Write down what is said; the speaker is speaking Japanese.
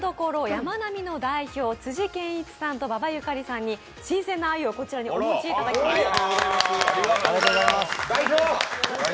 やまなみの代表、辻啓一さんと馬場ゆかりさんに新鮮なあゆをお持ちいただきました。